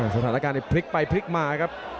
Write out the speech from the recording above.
สถานการณ์ในพลิกไปพลิกมาครับ